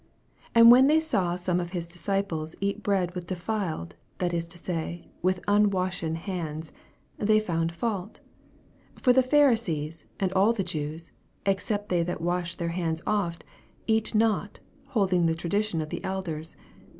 2 And when they saw some of his disciples eat bread with defiled, that is to say, with unwashen hands, they found fault. 3 For the Pharisees, and all the Jews, except they wash' their bands oft, eat not, holding the tradition of the elders.